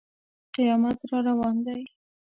قیامت را روان دی.